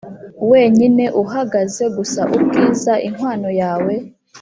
wenyine uhagaze, gusa ubwiza inkwano yawe,